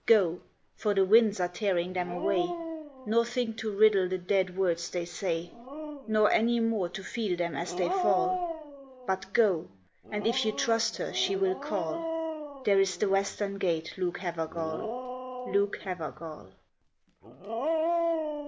Go, for the winds are tearing them away, Nor think to riddle the dead words they say, Nor any more to feel them as they fall; But go! and if you trust her she will call. There is the western gate, Luke Havergal Luke Havergal.